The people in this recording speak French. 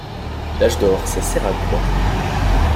L'âge d'or ça sert à quoi?